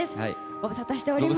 ご無沙汰しております。